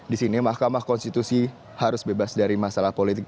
di sini mahkamah konstitusi harus bebas dari masalah politik